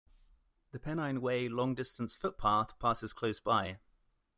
The Pennine Way long distance footpath passes close by.